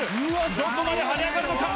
どこまで跳ね上がるのか？